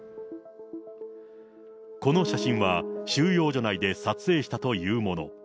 この写真は、収容所内で撮影したというもの。